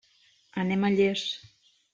Anem a Llers.